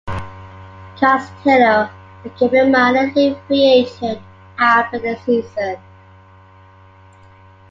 Castillo became a minor league free agent after the season.